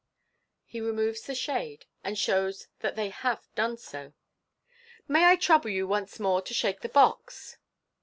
(He removes the shade, and shows that they have done so.) " May I trouble you once more to shake the box